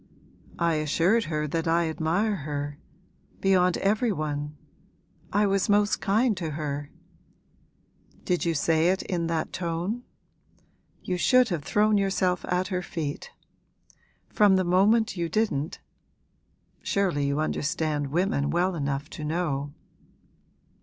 'I assured her that I admire her beyond every one. I was most kind to her.' 'Did you say it in that tone? You should have thrown yourself at her feet! From the moment you didn't surely you understand women well enough to know.'